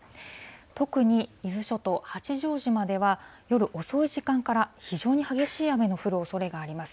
特に伊豆諸島・八丈島では、夜遅い時間から非常に激しい雨の降るおそれがあります。